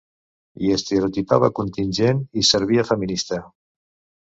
I estereotipava contingent i servia feminista.